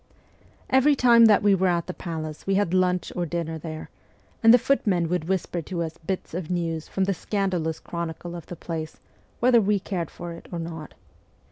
Every time that we were at the palace we had lunch or dinner there, and the footmen would whisper to us bits of news from the scandalous chronicle of the place, whether we cared for it or not.